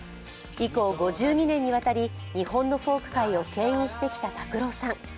以降、５２年にわたり日本のフォーク界をけん引してきた拓郎さん。